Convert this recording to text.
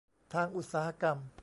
ทางอุตสาหกรรม